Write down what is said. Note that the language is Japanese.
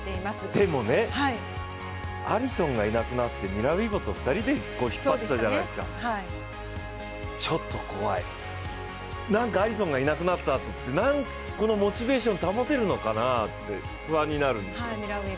でもね、アリソンがいなくなってミラー・ウイボと２人で引っ張ったじゃないですかちょっと怖い、なんかアリソンがいなくなったあとってモチベーションを保てるのかなって不安になるんですよ。